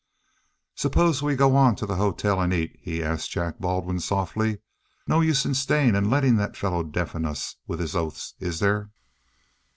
"Suppose we go on to the hotel and eat?" he asked Jack Baldwin softly. "No use staying and letting that fellow deafen us with his oaths, is there?"